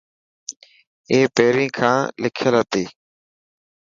اي پهرين کان لکيل هتي.